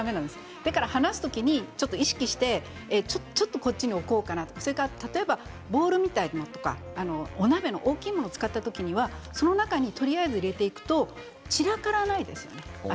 意識してちょっとここに置こうかなとか例えばボウルとかお鍋が大きいものを使った時にはその中にとりあえず入れていくと散らからないですよね。